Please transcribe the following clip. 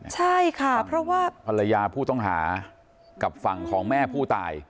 ใช่ค่ะเพราะว่าภรรยาผู้ต้องหากับฝั่งของแม่ผู้ตาย